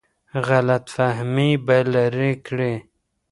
غلط فهمۍ به لرې کړي.